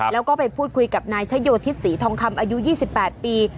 แล้วก็ไปพูดคุยกับนายชะโยธิศรีทองคำอายุ๒๘ปี